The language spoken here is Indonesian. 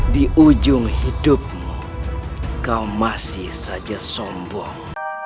di ujung hidupmu kau masih saja sombong